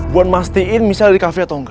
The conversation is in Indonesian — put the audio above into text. buat mastiin michelle ada di cafe atau engga